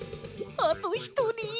あとひとり。